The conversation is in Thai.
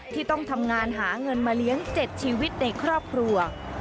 ที่ต้องทำงานหาเงินมาเลี้ยง๗ชีวิตในครอบครัว